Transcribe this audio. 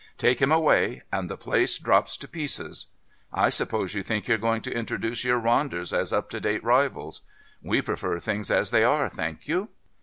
Take him away and the place drops to pieces. I suppose you think you're going to introduce your Ronders as up to date rivals. We prefer things as they are, thank you."